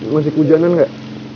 masih keujanan gak